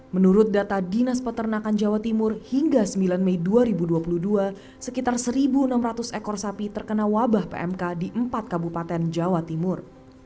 menurut data dinas peternakan jawa timur hingga sembilan mei dua ribu dua puluh dua sekitar satu enam ratus ekor sapi terkena wabah pmk di empat kabupaten jawa timur